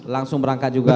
langsung berangkat juga